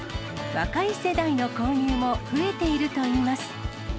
若い世代の購入も増えているといいます。